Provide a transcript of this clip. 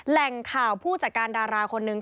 แหล่งข่าวผู้จัดการดาราคนนึง